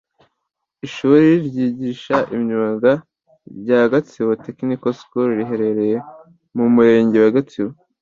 Ishuri ryigisa imyuga rya Gatsibo Technical School riherereye mu murenge wa Gatsibo